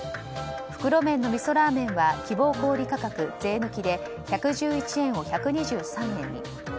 袋めんの、みそラーメンは希望小売価格税抜きで１１１円を１２３円に。